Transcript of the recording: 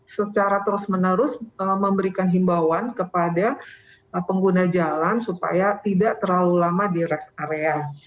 secara terus menerus memberikan himbauan kepada pengguna jalan supaya tidak terlalu lama di rest area